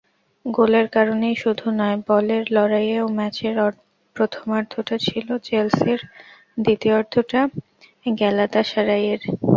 গোলের কারণেই শুধু নয়, বলের লড়াইয়েও ম্যাচের প্রথমার্ধটা ছিল চেলসির, দ্বিতীয়ার্ধটা গ্যালাতাসারাইয়ের।